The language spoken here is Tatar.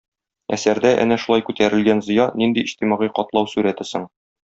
Әсәрдә әнә шулай күтәрелгән Зыя нинди иҗтимагый катлау сурәте соң?